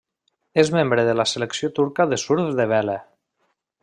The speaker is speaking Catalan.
És membre de la selecció turca de surf de vela.